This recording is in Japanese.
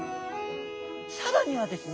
更にはですね